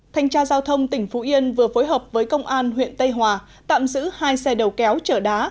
thanh tra giao thông tỉnh phú yên vừa phối hợp với công an huyện tây hòa tạm giữ hai xe đầu kéo chở đá